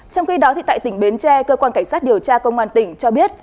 trong khi đó tại tỉnh bến tre cơ quan cảnh sát điều tra công an tỉnh cho biết